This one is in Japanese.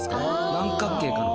何角形かの。